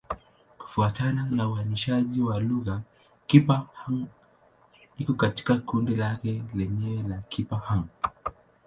Kufuatana na uainishaji wa lugha, Kipa-Hng iko katika kundi lake lenyewe la Kipa-Hng.